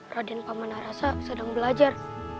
raden paman arasa sedang belajar